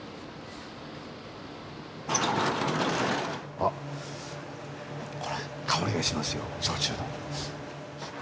あこれ香りがしますよ焼酎の。